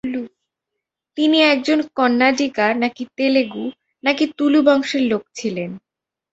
তিনি একজন কন্নাডিগা নাকি তেলুগু নাকি তুলু বংশের লোক ছিলেন।